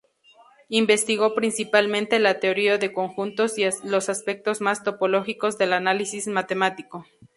Investigó principalmente la teoría de conjuntos y los aspectos más topológicos del análisis matemático.